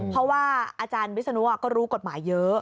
เพราะว่าอาจารย์วิศนุก็รู้กฎหมายเยอะ